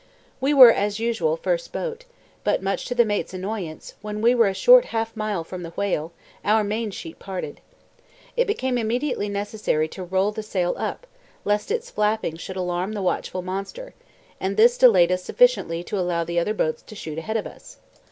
We were, as usual, first boat; but, much to the mate's annoyance, when we were a short half mile from the whale our main sheet parted. It became immediately necessary to roll the sail up, lest its flapping should alarm the watchful monster, and this delayed us sufficiently to allow the other boats to shoot ahead of us.